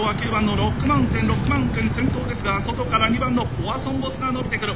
ロックマウンテン先頭ですが外から２番のポアソンボスが伸びてくる。